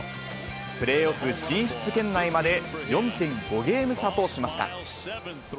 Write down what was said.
プレーオフ進出圏内まで４．５ゲーム差としました。